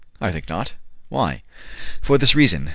"I think not." "Why?" "For this reason.